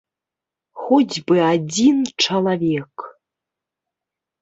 Хоць бы адзін чалавек!